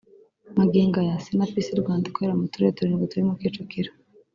Magingo aya Sinapisi Rwanda ikorera mu tururere turindwi turimo Kicukiro